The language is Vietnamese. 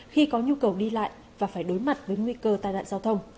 khi có nhu cầu đi lại và phải đối mặt với nguy cơ tai nạn giao thông